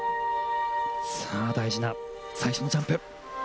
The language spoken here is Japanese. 大事な最初のジャンプ。